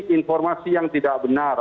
informasi yang tidak benar